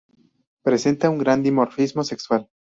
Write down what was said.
Presenta un gran dimorfismo sexual.